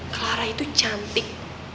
clara itu cantik